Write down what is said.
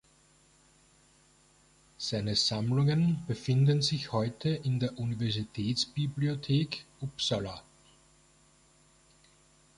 Seine Sammlungen befinden sich heute in der Universitätsbibliothek Uppsala.